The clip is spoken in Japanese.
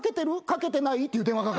かけてない？」っていう電話が。